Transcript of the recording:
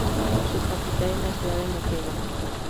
Su capital es la ciudad de Moquegua.